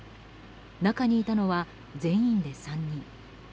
中にいたのは全員で３人。